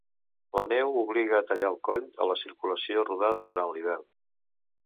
La neu obliga a tallar el coll a la circulació rodada durant l'hivern.